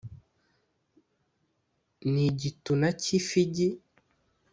Ni igituna cy'ifigi: